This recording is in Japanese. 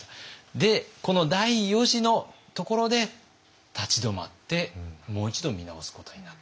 でこの第四次のところで立ち止まってもう一度見直すことになった。